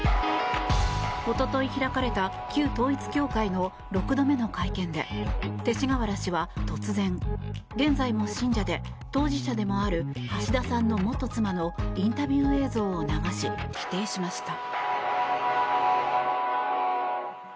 一昨日開かれた旧統一教会の６度目の会見で勅使河原氏は突然現在も信者で当事者でもある橋田さんの元妻のインタビュー映像を流し否定しました。